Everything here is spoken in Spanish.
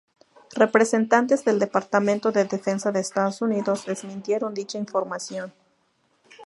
Representantes del Departamento de Defensa de Estados Unidos desmintieron dicha información.